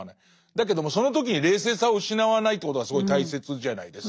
だけどもその時に冷静さを失わないということがすごい大切じゃないですか。